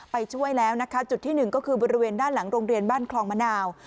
ช่วยแล้วนะคะจุดที่หนึ่งก็คือบริเวณด้านหลังโรงเรียนบ้านคลองมะนาว